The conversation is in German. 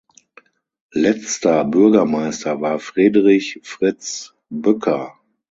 Letzter Bürgermeister war Friedrich „Fritz“ Bücker.